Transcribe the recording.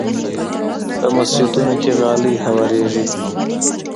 په مسجدونو کې غالۍ هوارېږي.